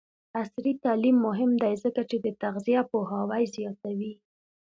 عصري تعلیم مهم دی ځکه چې د تغذیه پوهاوی زیاتوي.